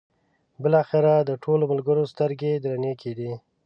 بالاخره د ټولو ملګرو سترګې درنې کېدې.